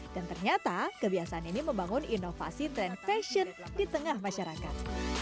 sembilan belas dan ternyata kebiasaan ini membangun inovasi tren fashion di tengah masyarakat